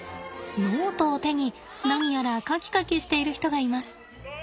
ノートを手に何やら描き描きしている人がいます。